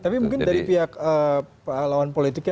tapi mungkin dari pihak lawan politiknya